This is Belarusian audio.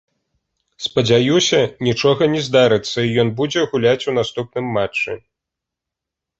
Спадзяюся нічога не здарыцца і ён будзе гуляць у наступным матчы.